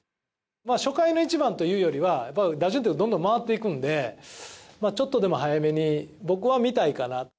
初回の１番というよりは打順ってどんどん回っていくのでちょっとでも早めに僕は見たいかな。